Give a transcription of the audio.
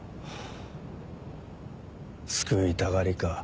救いたがりか。